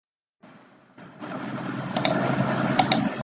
罗斯托克城市快铁连接罗斯托克市区和港区。